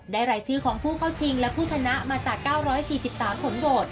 รายชื่อของผู้เข้าชิงและผู้ชนะมาจาก๙๔๓ผลโหวต